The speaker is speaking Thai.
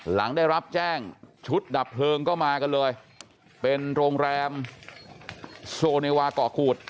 หลังได้รับแจ้งชุดดับเพลิงก็มากันเลยเป็นโรงแรมโซเนวาเกาะขูด